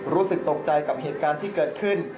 รู้สึกตกใจกับเหตุการณ์ที่เกิดขึ้น